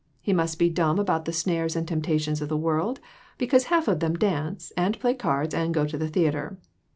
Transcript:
He must be dumb about the snares and temptations of the world, because half of them dance, and play cards, and go to the theatre.